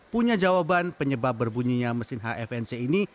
punya jawaban penyebab berbunyinya mesin hfnc ini